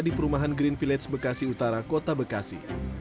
di perumahan green village bekasi utara kota bekasi